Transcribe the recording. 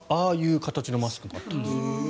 昔、ああいう形のマスクだったんですよ。